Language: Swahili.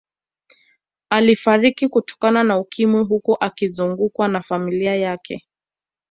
Akifariki kutokana na Ukimwi huku akizungukwa na familia yake